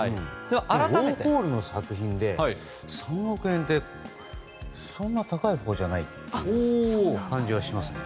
ウォーホルの作品で３億円ってそんなに高いほうじゃない感じはしますね。